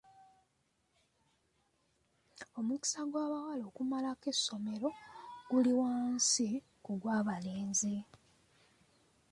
Omukisa gw'abawala okumalako essomero guli wansi ku gw'abalenzi.